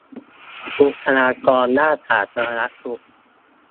บุคคลากรด้านสาธารณสุข